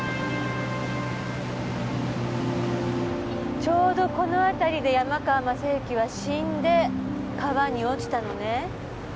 ちょうどこのあたりで山川雅行は死んで川に落ちたのね。